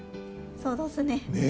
そうどすね。